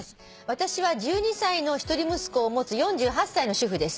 「私は１２歳の一人息子を持つ４８歳の主婦です」